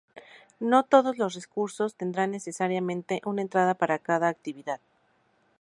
No todos los recursos tendrán necesariamente una entrada para cada actividad.